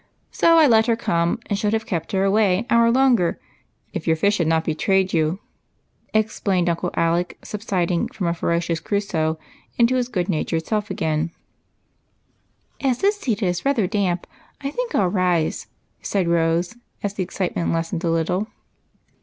So I let her come, and should have kept her away an hour longer if your fish had not betrayed you," ex plained Uncle Alec, subsiding from a ferocious Crusoe into his good natured self again. EIGHT COUSINS. FHEBE'S SECRET. 101 ' As this seat is rather damp, I think I '11 rise," said ilose, as the excitement lessened a little.